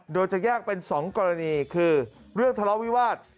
โดยจะแยกเป็น๒กรณีคือเรื่องทะเลาะวิวาส